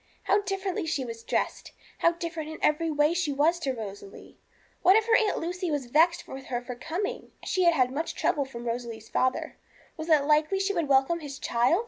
How differently she was dressed! How different in every way she was to Rosalie! What if her Aunt Lucy was vexed with her for coming? She had had much trouble from Rosalie's father; was it likely she would welcome his child?